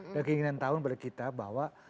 dan keinginan tahun pada kita bahwa